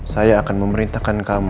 saya akan memerintahkan kamu